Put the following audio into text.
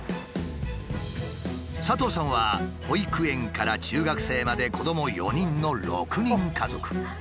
佐藤さんは保育園から中学生まで子ども４人の６人家族。